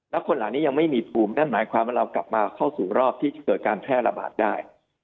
แล้วคนเหล่านี้ยังไม่มีภูมินั่นหมายความว่าเรากลับมาเข้าสู่รอบที่จะเกิดการแพร่ระบาดได้